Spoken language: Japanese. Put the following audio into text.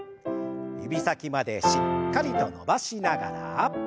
指先までしっかりと伸ばしながら。